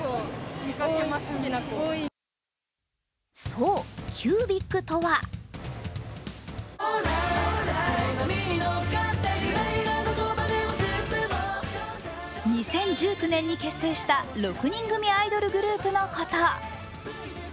そう、９ｂｉｃとは２０１９年に結成した６人組アイドルグループのこと。